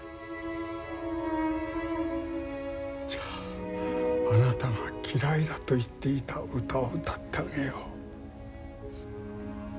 じゃああなたが嫌いだと言っていた歌を歌ってあげよう。